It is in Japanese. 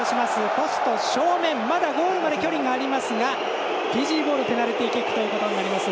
ポスト正面、まだゴールまで距離がありますがフィジーボールペナルティキックとなります。